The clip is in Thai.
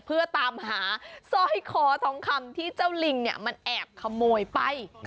เพื่อตามหาซอยคอทองคำที่เจ้าลิงแอบขโมยไป